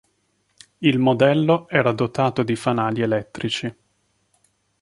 Il modello era dotato di fanali elettrici.